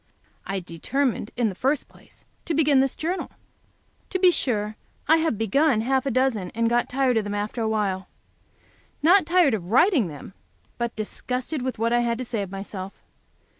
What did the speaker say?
I determined, in the first place, to begin this Journal. To be sure, I have begun half a dozen, and got tired of them after a while. Not tired of writing them, but disgusted with what I had to say of myself.